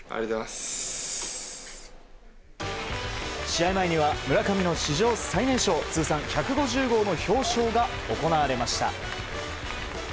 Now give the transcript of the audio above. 試合前には村上の史上最年少通算１５０号の表彰が行われました。